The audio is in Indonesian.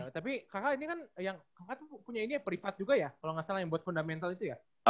tapi kakak ini kan kakak tuh punya ini peripat juga ya kalau gak salah yang buat fundamental itu ya